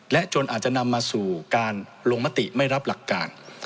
และจนอาจจะนำมาสู่การลงมติไม่รับหลักการ